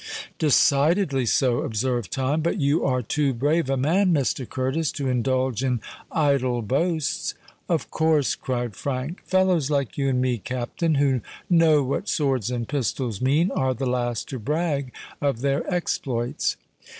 "Decidedly so," observed Tom. "But you are too brave a man, Mr. Curtis, to indulge in idle boasts." "Of course," cried Frank. "Fellows like you and me, Captain, who know what swords and pistols mean, are the last to brag of their exploits."